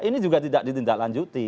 ini juga tidak ditindaklanjuti